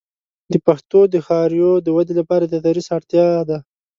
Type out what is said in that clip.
د پښتو د ښاریو د ودې لپاره د تدریس اړتیا ده.